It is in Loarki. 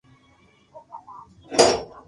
ايم ھوئي تو ھون ڪيڪر ڪرو